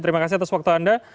terima kasih atas waktu anda